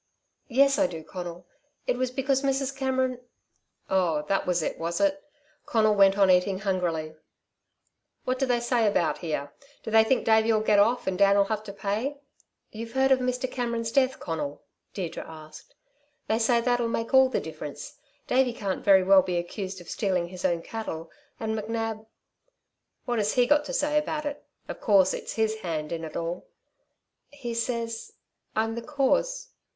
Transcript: "Yes, I do, Conal. It was because Mrs. Cameron " "Oh, that was it, was it?" Conal went on eating, hungrily. "What do they say about here? Do they think Davey'll get off and Dan'll have to pay?" "You've heard of Mr. Cameron's death, Conal?" Deirdre asked. "They say that'll make all the difference. Davey can't very well be accused of stealing his own cattle, and McNab " "What has he got to say about it? Of course it's his hand in it all." "He says ... I'm the cause...."